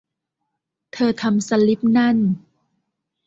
เธอทำสลิปนั่น